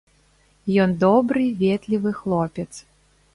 Ён добры, ветлівы хлопец.